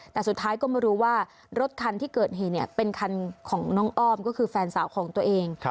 แต่สุดท้ายก็มารู้ว่ารถคันที่เกิดเหตุเป็นคันของน้องอ้อมก็คือแฟนสาวของตัวเอง